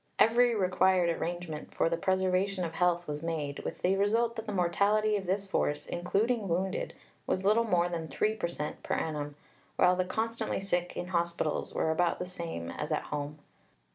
Every required arrangement for the preservation of health was made, with the result that the mortality of this force, including wounded, was little more than 3 per cent per annum, while the 'constantly sick' in hospital were about the same as at home.